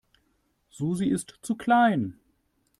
Susi ist zu klein.